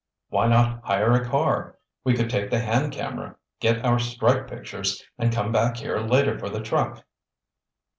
"Why not hire a car? We could take the hand camera, get our strike pictures, and come back here later for the truck."